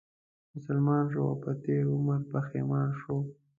مسلمان شو او په تېر عمر پښېمان شو